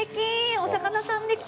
お魚さんで来た！